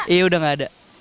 iya udah gak ada